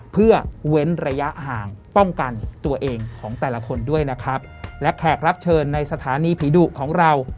เพื่อเว้นระยะห่างป้องกันตัวเองของแต่ละคนด้วยนะครับและแขกรับเชิญในสถานีผีดุของเรา